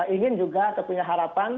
ingin juga atau punya harapan